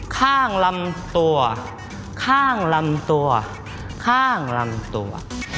ข้างลำตัวข้างลำตัวข้างลำตัว